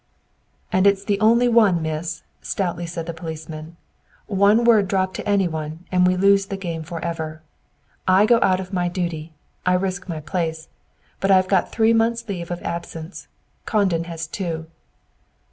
"And it's the only one, Miss," stoutly said the policeman. "One word dropped to any one, and we lose the game forever! I go out of my duty. I risk my place! But I've got three months' leave of absence. Condon has two."